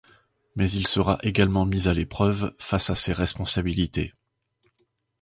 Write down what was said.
Mais il sera également mis à l'épreuve, face à ses responsabilités.